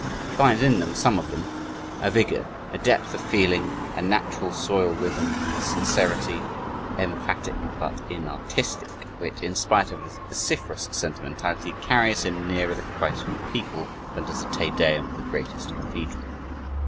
He finds in them some of them a vigor, a depth of feeling, a natural soil rhythm, a sincerity, emphatic but inartistic, which, in spite of a vociferous sentimentality, carries him nearer the "Christ of the people" than does the Te Deum of the greatest cathedral.